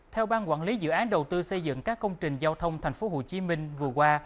theo ban quản lý dự án đầu tư xây dựng các công trình giao thông tp hcm vừa qua